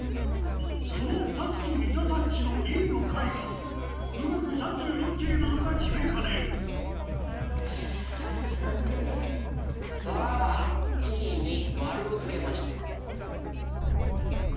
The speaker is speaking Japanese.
その２つと似たタッチのＥの絵画を『冨嶽三十六景』なのか決めかねるさぁＥに「○」をつけました。